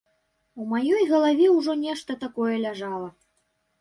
У маёй галаве ўжо нешта такое ляжала.